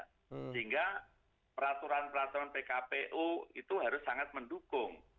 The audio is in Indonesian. sehingga peraturan peraturan pkpu itu harus sangat mendukung